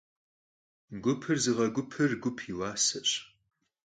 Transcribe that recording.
Gupır zığegupır gup yi vuaseş.